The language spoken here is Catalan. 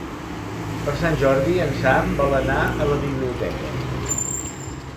Per Sant Jordi en Sam vol anar a la biblioteca.